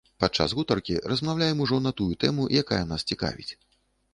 Падчас гутаркі размаўляем ужо на тую тэму, якая нас цікавіць.